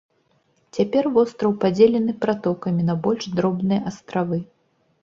Цяпер востраў падзелены пратокамі на больш дробныя астравы.